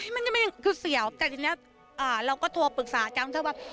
มันยังไม่คือเสียวแต่ทีนี้เราก็โทรปรึกษาอาจารย์เถอะว่า